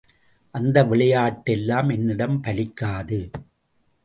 அந்த விளையாட்டெல்லாம் என்னிடம் பலிக்காது.